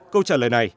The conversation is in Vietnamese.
câu trả lời này